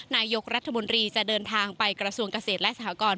นายกรัฐมนตรีจะเดินทางไปกระทรวงเกษตรและสหกร